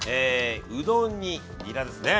うどんににらですね。